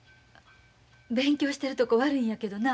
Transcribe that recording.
勉強してるとこ悪いんやけどな